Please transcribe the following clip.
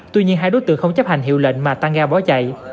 tuy nhiên hai đối tượng không chấp hành hiệu lệnh mà tan ga bó chạy